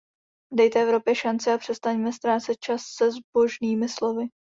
Dejte Evropě šanci a přestaňte ztrácet čas se zbožnými slovy.